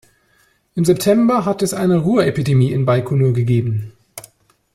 Im September hatte es eine Ruhr-Epidemie in Baikonur gegeben.